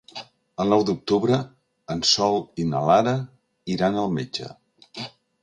El nou d'octubre en Sol i na Lara iran al metge.